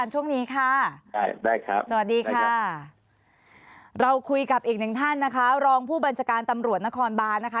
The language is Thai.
สวัสดีค่ะเราคุยกับอีกหนึ่งท่านนะคะรองผู้บัญชการตำรวจนครบานนะคะ